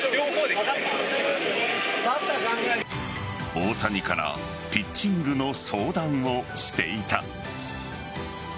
大谷からピッチングの相談をしていた。